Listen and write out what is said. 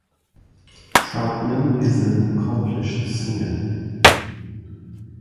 Troutman is an accomplished singer.